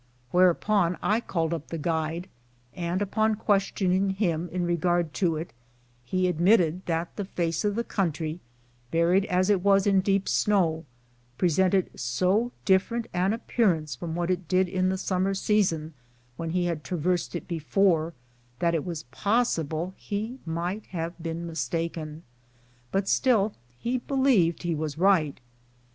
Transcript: Whereupon I called up the guide, and upon questioning him in regard to it, he admitted that the face of the country, buried as it was in deep snows, pre sented so different an appearance from what it did in the summer season, when he had traversed it before, that it was possible he might have been mistaken ; but still he be lieved he was right.